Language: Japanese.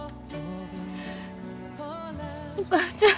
お母ちゃん。